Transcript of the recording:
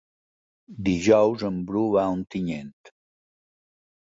Dijous en Bru va a Ontinyent.